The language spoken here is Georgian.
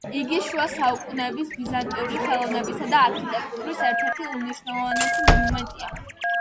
იგი შუა საუკუნეების ბიზანტიური ხელოვნებისა და არქიტექტურის ერთ-ერთი უმნიშვნელოვანესი მონუმენტია.